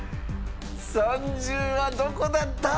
３０はどこだった？